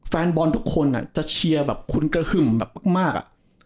แฟนบอลทุกคนจะเชียร์แบบคุณกระหึ่มแบบมากอ่ะ